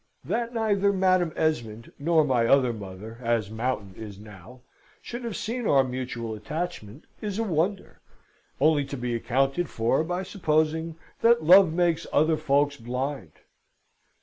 "That neither Madam Esmond nor my other mother (as Mountain is now) should have seen our mutual attachment, is a wonder only to be accounted for by supposing that love makes other folks blind.